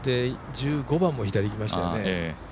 １５番も左いきましたよね。